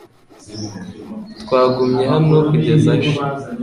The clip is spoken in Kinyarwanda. Twagumye hano kugeza aje